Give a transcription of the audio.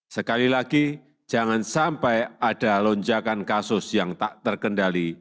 sekali lagi jangan sampai ada lonjakan kasus yang tak terkendali